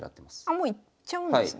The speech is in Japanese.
もう行っちゃうんですね。